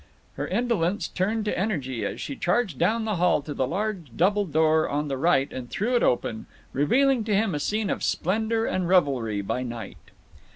Her indolence turned to energy as she charged down the hall to the large double door on the right and threw it open, revealing to him a scene of splendor and revelry by night.